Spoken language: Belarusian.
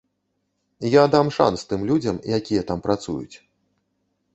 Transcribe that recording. Я дам шанс тым людзям, якія там працуюць.